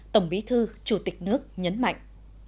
tổng bí thư chủ tịch nước nhấn mạnh